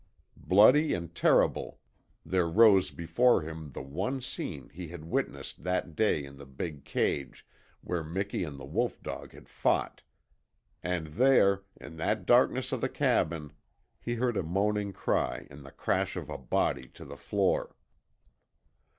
Bloody and terrible there rose before him the one scene he had witnessed that day in the big cage where Miki and the wolf dog had fought. And there in that darkness of the cabin He heard a moaning cry and the crash of a body to the floor.